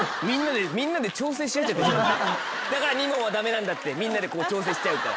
だから２問はダメなんだってみんなで調整しちゃうから。